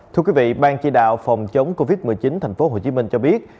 thưa quý vị ban chỉ đạo phòng chống covid một mươi chín tp hcm cho biết